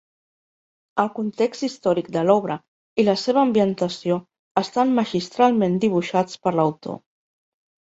El context històric de l'obra i la seva ambientació estan magistralment dibuixats per l'autor.